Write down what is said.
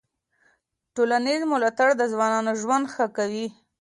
ټولنیز ملاتړ د ځوانانو ژوند ښه کوي.